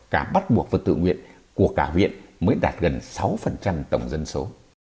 cả bắt buộc và tự nguyện của cả huyện mới đạt gần sáu tổng dân số